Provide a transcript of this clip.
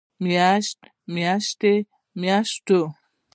مياشت، مياشتې، مياشتو